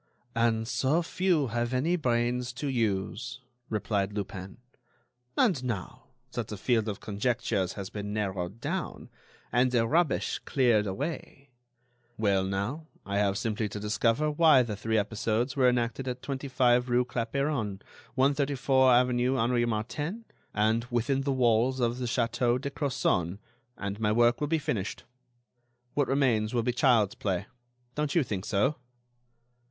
"And so few have any brains to use," replied Lupin. "And, now, that the field of conjectures has been narrowed down, and the rubbish cleared away——" "Well, now, I have simply to discover why the three episodes were enacted at 25 rue Clapeyron, 134 avenue Henri Martin, and within the walls of the Château de Crozon and my work will be finished. What remains will be child's play. Don't you think so?"